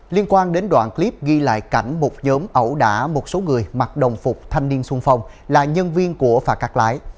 liên quan đến đoạn clip ghi lại cảnh một nhóm ẩu đả một số người mặc đồng phục thanh niên sung phong là nhân viên của phà cắt lái